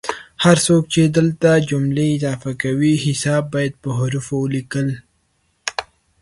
هر څوک چې دلته جملې اضافه کوي حساب باید په حوفو ولیکي